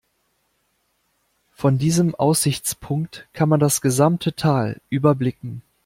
Von diesem Aussichtspunkt kann man das gesamte Tal überblicken.